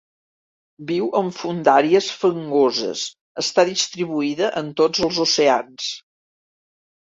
Viu en fondàries fangoses, està distribuïda en tots els oceans.